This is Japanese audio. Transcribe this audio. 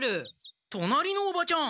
隣のおばちゃん！